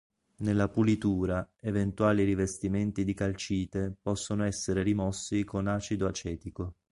Nella pulitura, eventuali rivestimenti di calcite possono essere rimossi con acido acetico.